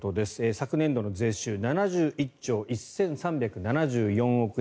昨年度の税収７１兆１３７４億円。